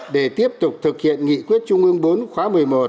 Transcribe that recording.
để tiếp tục thực hiện nghị quyết trung ương bốn khóa một mươi một